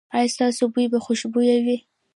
ایا ستاسو بوی به خوشبويه وي؟